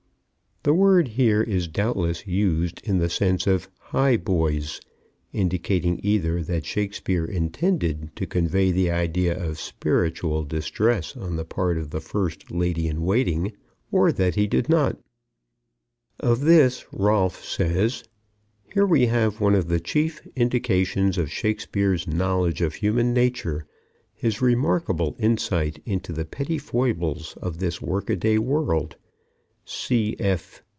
The word here is doubtless used in the sense of "high boys," indicating either that Shakespeare intended to convey the idea of spiritual distress on the part of the First Lady in Waiting or that he did not. Of this Rolfe says: "Here we have one of the chief indications of Shakespeare's knowledge of human nature, his remarkable insight into the petty foibles of this work a day world."